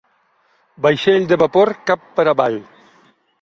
Vaixell de vapor cap per avall.